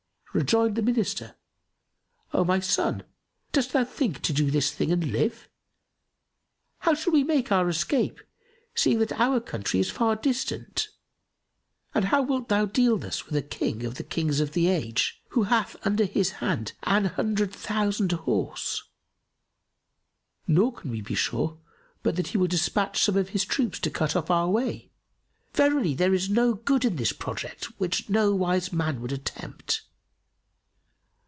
Rejoined the Minister, "O my son, dost thou think to do this thing and live? How shall we make our escape, seeing that our country is far distant, and how wilt thou deal thus with a King of the Kings of the Age, who hath under his hand an hundred thousand horse, nor can we be sure but that he will despatch some of his troops to cut off our way? Verily, there is no good in this project which no wise man would attempt."